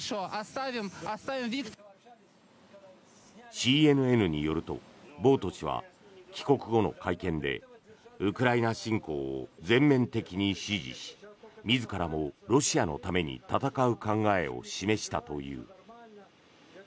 ＣＮＮによるとボウト氏は帰国後の会見でウクライナ侵攻を全面的に支持し自らもロシアのために戦う考えを示したという。